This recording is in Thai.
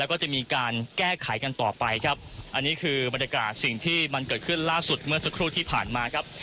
แล้วก็จะมีการแก้ไขกันต่อไปครับอันนี้คือบรรยากาศสิ่งที่มันเกิดขึ้นล่าสุดเมื่อสักครู่ที่ผ่านมาครับ